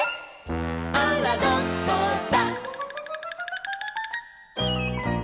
「あらどこだ」